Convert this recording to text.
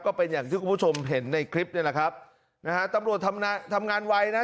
ก็เป็นอย่างที่คุณผู้ชมเห็นในคลิปนี่แหละครับนะฮะตำรวจทำงานไวนะ